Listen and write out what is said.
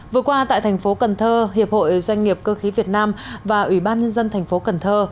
vừa qua tại thành phố cần thơ hiệp hội doanh nghiệp cơ khí việt nam và ủy ban nhân dân thành phố cần thơ